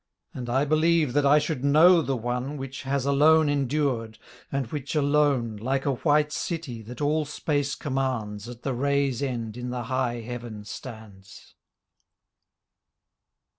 And I believe that I should know the one Which has alone endured and which alone Like a white City that all space commands At the ray's end in the high heaven stands.